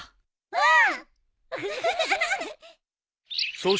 うん。